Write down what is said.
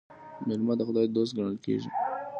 میلمه د خدای دوست ګڼل کیږي.